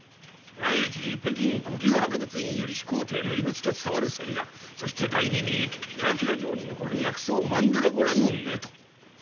第１に北京故宮博物院より始皇帝の遺物と伝わる仙薬そして第２にドラキュラ城に残る薬草マンドラゴラの根と。